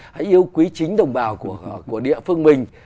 hãy yêu quý chính đồng bào của địa phương mình